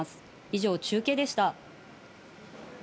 以上、中継でした。